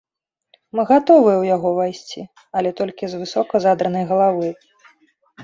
Мы гатовыя ў яго ўвайсці, але толькі з высока задранай галавой.